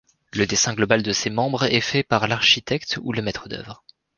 Le dessin global de ces membres est fait par l'architecte ou le maître d'œuvre.